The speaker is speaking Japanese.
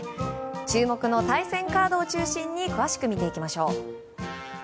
注目の対戦カードを中心に詳しく見ていきましょう。